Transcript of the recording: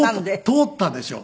通ったでしょ？